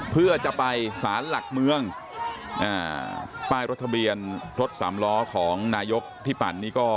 เพื่อจะไปสารหลักเมืองอ่าป้ายรถทะเบียนรถสามล้อของนายกพี่ปั่นนี่ก็